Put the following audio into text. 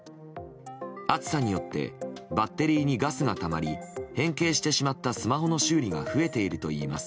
暑さによってバッテリーにガスがたまり変形してしまったスマホの修理が増えてしまっているといいます。